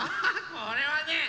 これはね